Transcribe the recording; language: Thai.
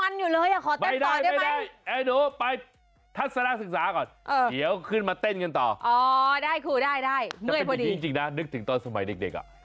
นายนายเหมือนกันอยู่เลยขอเต้นต่อด้วยหน่อย